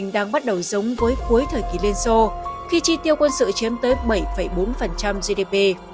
đầu giống với cuối thời kỳ lenso khi chi tiêu quân sự chiếm tới bảy bốn gdp